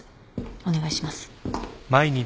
お願いします。